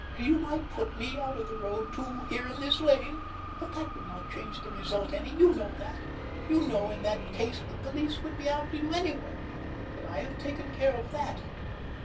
You might put me out of the road, too, here in this lane, but that would not change the result any. You know that. You know in that case that the police would be after you anyway—that I have taken care of that.